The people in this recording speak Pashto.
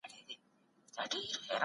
که ګوګرد وي نو اور نه مري.